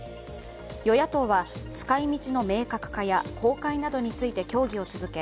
与野党は使いみちの明確化や公開などについて協議を続け